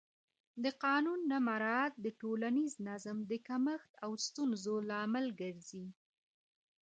د قانون نه مراعت د ټولنیز نظم د کمښت او ستونزو لامل ګرځي